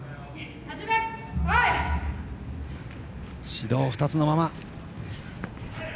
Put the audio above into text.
指導２つのまま。